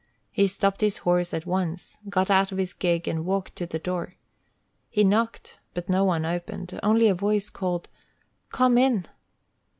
He stopped his horse at once, got out of his gig, and walked to the door. He knocked, but no one opened, only a voice called, "Come in!"